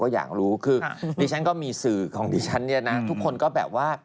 ครับ